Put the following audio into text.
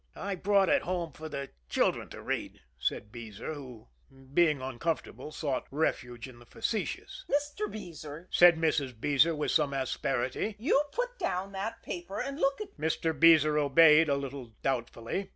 "I brought it home for the children to read," said Beezer, who, being uncomfortable, sought refuge in the facetious. "Mr. Beezer," said Mrs. Beezer, with some asperity, "you put down that paper and look at me." Mr. Beezer obeyed a little doubtfully.